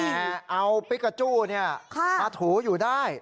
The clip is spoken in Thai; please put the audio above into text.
นี่แหละแหมเอาพิกาจูนี่มาถูอยู่ได้